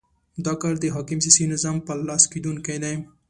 دا کار د حاکم سیاسي نظام په لاس کېدونی دی.